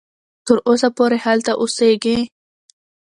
تر اوسه پوري هلته اوسیږي.